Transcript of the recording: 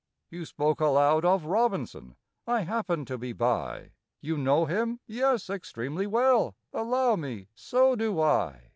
You spoke aloud of ROBINSON—I happened to be by. You know him?" "Yes, extremely well." "Allow me, so do I."